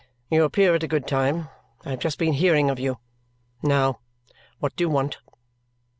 You appear at a good time. I have just been hearing of you. Now! What do you want?"